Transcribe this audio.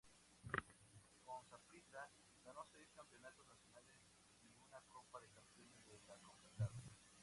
Con Saprissa ganó seis campeonatos nacionales y una Copa de Campeones de la Concacaf.